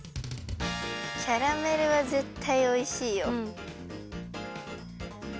キャラメルはぜったいおいしいよ。